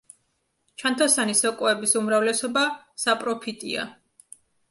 ჩანთოსანი სოკოების უმრავლესობა საპროფიტია.